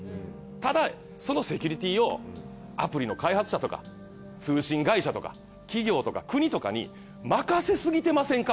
ただそのセキュリティーをアプリの開発者とか通信会社とか企業とか国とかに任せすぎてませんか